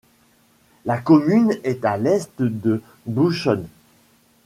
La commune est à l'est de Büsum.